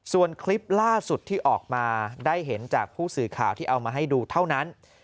ส่วนคลิปล่าสุดที่ออกมาได้เห็นจากผู้สื่อข่าวที่เอามาให้ดูเท่านั้น